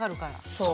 そう。